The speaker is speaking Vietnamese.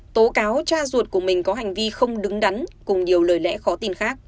tố cáo cha ruột của mình có hành vi không đứng đắn cùng nhiều lời lẽ khó tin khác